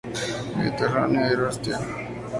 Mediterráneo, y Eurasia.